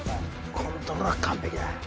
こんところは完璧だ。